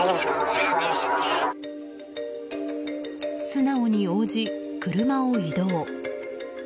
素直に応じ、車を移動。